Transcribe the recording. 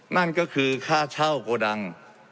นั่นก็คือค่าเช่าโกดัง